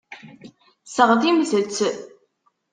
Seɣtimt-t.